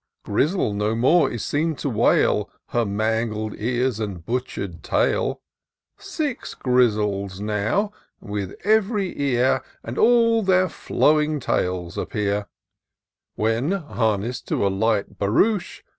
Grizzle no more is seen to wail Her mangled ears and butcher'd tail ; Six Grizzles now, with ev'ry ear, And all their fiowing tails, appear ; When, harness'd to a light barouche.